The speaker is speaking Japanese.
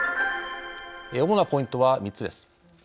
主なポイントは３つです。